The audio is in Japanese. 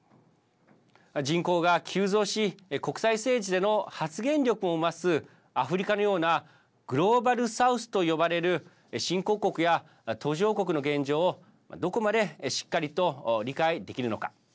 人口が急増し国際政治での発言力も増すアフリカのようなグローバルサウスと呼ばれる新興国や途上国の現状をどこまでしっかりと理解できるのか。